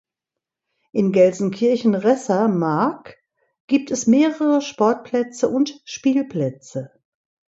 In Gelsenkirchen-Resser Mark gibt es mehrere Sportplätze und Spielplätze.